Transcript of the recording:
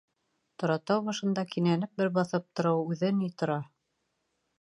Торатау башында кинәнеп бер баҫып тороуы үҙе ни тора!